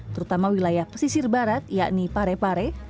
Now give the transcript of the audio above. terutama wilayah pesisir barat yakni pare pare